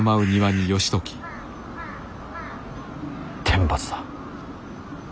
天罰だ。